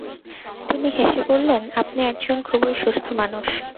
তিনি হেসে বললেন, আপনি এক জন খুবই সুস্থ মানুষ।